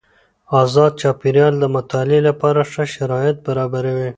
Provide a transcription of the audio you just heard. ازاد چاپیریال د مطالعې لپاره ښه شرايط برابروي.